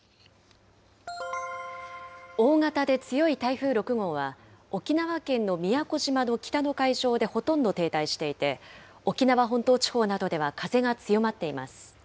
大型で強い台風６号は、沖縄県の宮古島の北の海上でほとんど停滞していて、沖縄本島地方などでは風が強まっています。